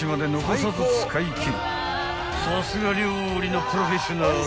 ［さすが料理のプロフェッショナル］